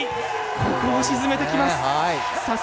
ここも沈めてきます。